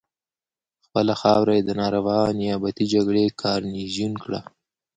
خپله خاوره یې د ناروا نیابتي جګړې ګارنیزیون کړه.